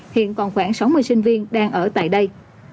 hiện còn khoảng sáu mươi sinh viên đang ở tại đây